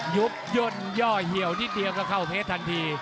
ยุบย่นย่อเหี่ยวนิดเดียวก็เข้าเพชรทันที